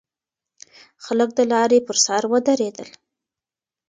خلک د لارې پر سر ودرېدل.